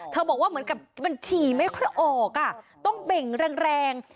บอกว่าเหมือนกับมันฉี่ไม่ค่อยออกต้องเบ่งแรง